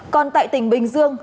còn tại tỉnh bình dương